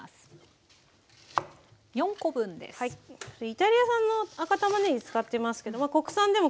イタリア産の赤たまねぎ使ってますけど国産でも結構です。